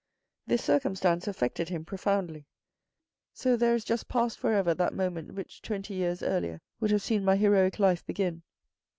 This circumstance affected him profoundly. "So there is just passed for ever that moment which, twenty years earlier, would have seen my heroic life begin.